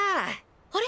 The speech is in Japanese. あれ？